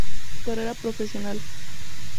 Carrera Profesional.